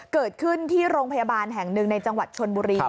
เกิดขึ้นที่โรงพยาบาลแห่งหนึ่งในจังหวัดชนบุรี